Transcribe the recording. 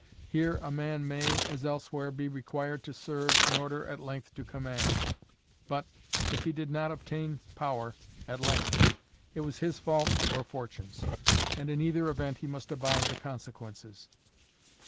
Here a man may, as elsewhere, be required to serve, in order at length to command. But, if he did not obtain power at length, it was his fault or Fortune's, and in either event he must abide the consequences.